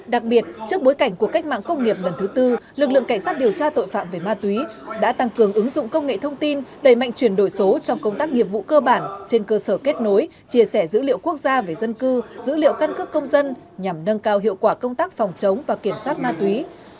đặc biệt trước bối cảnh của cách mạng công nghiệp lần thứ tư lực lượng cảnh sát điều tra tội phạm về ma túy đã tăng cường ứng dụng công nghệ thông tin đẩy mạnh chuyển đổi số trong công tác nghiệp vụ cơ bản trên cơ sở kết nối chia sẻ dữ liệu quốc gia về dân cư dữ liệu căn cước công dân nhằm nâng cao hiệu quả công tác phòng chống và kiểm soát ma túy